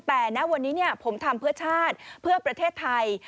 แต่ณวันนี้ผมทำเพื่อชาติเพื่อประเทศไทย